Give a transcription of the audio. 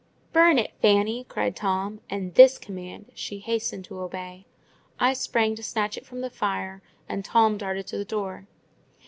"Burn it, Fanny!" cried Tom: and this command she hastened to obey. I sprang to snatch it from the fire, and Tom darted to the door.